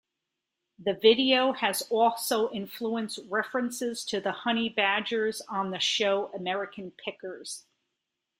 The video has also influenced references to honey badgers on the show "American Pickers".